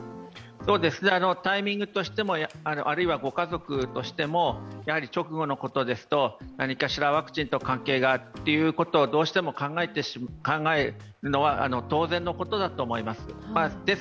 タイミングとしても、あるいはご家族としても、直後のことですと何かしらワクチンと関係がとどうしても考えるのは当然のことだと思います。